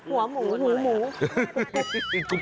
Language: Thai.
หัวหมูหัวหมู